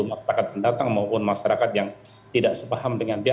masyarakat pendatang maupun masyarakat yang tidak sepaham dengan dia